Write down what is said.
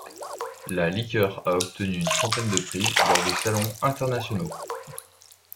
La liqueur a obtenu une trentaine de prix lors de salons internationaux.